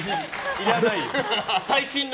いらないの。